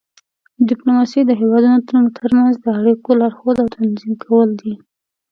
ډیپلوماسي د هیوادونو ترمنځ د اړیکو لارښود او تنظیم کول دي